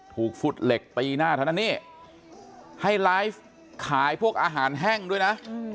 ฝุดเหล็กตีหน้าเท่านั้นนี่ให้ไลฟ์ขายพวกอาหารแห้งด้วยนะ